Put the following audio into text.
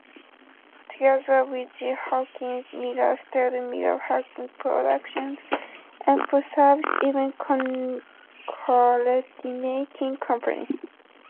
Together with Jill Hawkins, Miller started Miller-Hawkins Productions, a full-service event coordinating company.